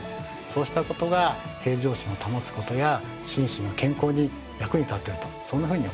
そうしたことが平常心を保つことや心身の健康に役に立ってるとそんなふうに思っております。